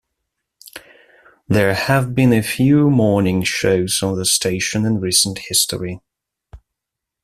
There have been a few morning shows on the station in recent history.